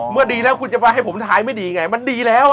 ดีแล้วคุณจะมาให้ผมท้ายไม่ดีไงมันดีแล้ว